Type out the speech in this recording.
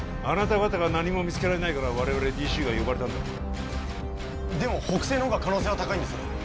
あなた方が何も見つけられないから我々ＤＣＵが呼ばれたんだでも北西のほうが可能性は高いんですよ